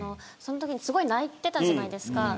そのときにすごい泣いてたじゃないですか。